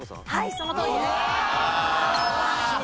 そのとおりです。